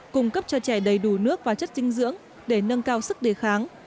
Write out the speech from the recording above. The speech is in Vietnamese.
cung cấp cho trẻ đầy đủ nước và chất dinh dưỡng để nâng cao sức đề kháng